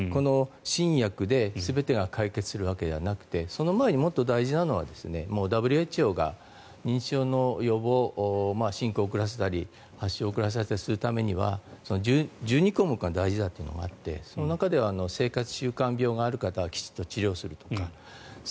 新薬で全てが解決するわけではなくてその前にもっと大事なのはＷＨＯが認知症予防、進行を遅らせたり発症を遅らせたりするためには１２項目が大事だというのがあってその中では生活習慣病がある方はきちんと治療するとか。